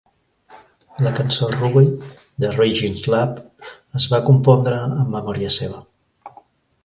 La cançó "Ruby", de Raging Slab, es va compondre en memòria seva.